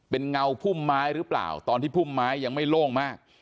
เป็นเงาพุ่มไม้หรือเปล่าตอนที่พุ่มไม้ยังไม่โล่งมาก